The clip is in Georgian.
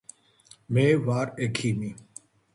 მე ვარ ექიმი